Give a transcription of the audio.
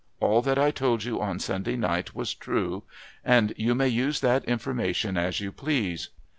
All that I told you on Sunday night was true, and you may use that information as you please.